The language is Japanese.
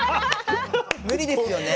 無理ですよね。